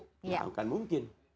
tidak akan mungkin